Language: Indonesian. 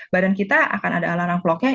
badan kita akan ada alarm vlognya